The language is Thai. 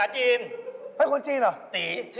ใช่เนี่ย